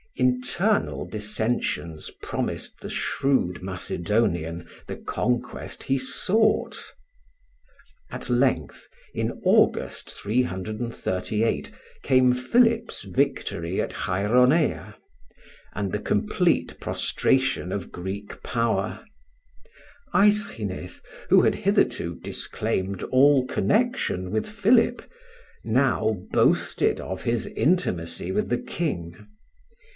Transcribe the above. Internal dissensions promised the shrewd Macedonian the conquest he sought. At length, in August, 338, came Philip's victory at Chaeronea, and the complete prostration of Greek power. Aeschines, who had hitherto disclaimed all connection with Philip, now boasted of his intimacy with the king.